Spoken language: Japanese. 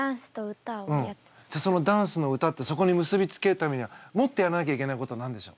じゃあそのダンス歌ってそこに結び付けるためにはもっとやらなきゃいけないことは何でしょう？